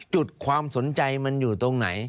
จุดความสนใจมันอยู่ตรงไหน